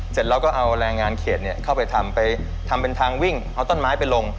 เสร็จเราก็เอาแรงงานเขตเข้าไปทำไปทำเป็นทางวิ่งเอาต้นไม้ไปลง